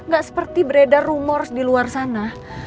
gak seperti beredar rumor di luar sana